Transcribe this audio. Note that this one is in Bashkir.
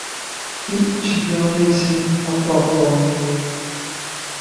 Ил чемпионы исемен һаҡлап ҡалыу